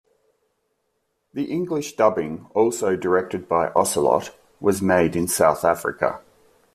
The English dubbing, also directed by Ocelot, was made in South Africa.